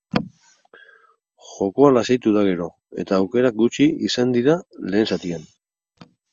Jokoa lasaitu da gero, eta aukerak gutxi izan dira lehen zatian.